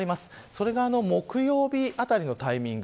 それが木曜日あたりのタイミング